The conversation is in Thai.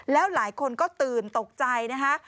แล้วหลายคนก็ตื่นตกใจนะคะ